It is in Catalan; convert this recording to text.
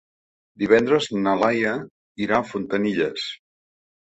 Divendres na Laia irà a Fontanilles.